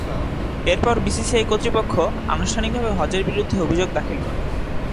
এরপর বিসিসিআই কর্তৃপক্ষ আনুষ্ঠানিকভাবে হজের বিরুদ্ধে অভিযোগ দাখিল করে।